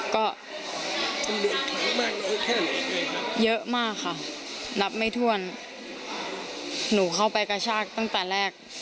ก็เยอะมากค่ะนับไม่ถ้วนหนูเข้าไปกระชากตั้งแต่แรก